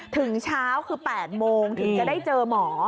ถึงเช้าคือ๘โมงถึงจะได้เจอหมอ